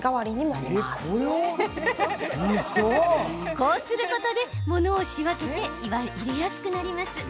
こうすることで、ものを仕分けて入れやすくなります。